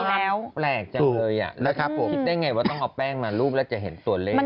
แปลกจังเลยคิดได้อย่างไรว่าต้องเอาแป้งมารูปแล้วจะเห็นตัวเล่น